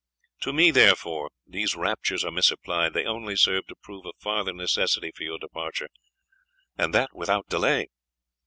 To me, therefore, these raptures are misapplied they only serve to prove a farther necessity for your departure, and that without delay."